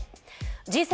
Ｇ７